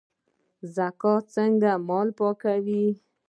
زکات څنګه مال پاکوي؟